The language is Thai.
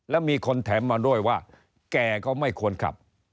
แล้วมีคนแถมมาด้วยว่าแก่ก็ไม่ควรขับ